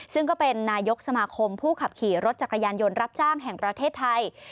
ซึ่งก็เป็นนายกสมาคมผู้ขับขี่รถจักรยานยนต์รับจ้างแห่งประเทศไทย